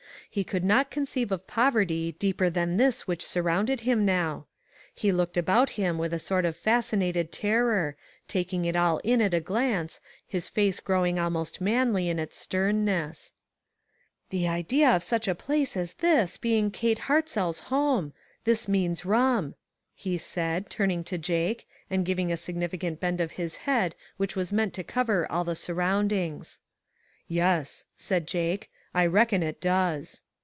He could not conceive of poverty deeper than this which surrounded him now. He looked about him with a sort of fascinated terror, taking it all iu at a glance, his face growing almost manly in its sternness. ONE OF THE HOPELESS CASES. 335 " The idea of such a place as this being Kate Hartzell's home ! This means rum," he said, turning to Jake, and giving a sig nificant bend of his head which was meant to cover all the surroundings. " Yes," said Jake, " I reckon it does."